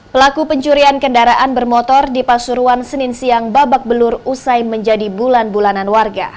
pelaku pencurian kendaraan bermotor di pasuruan senin siang babak belur usai menjadi bulan bulanan warga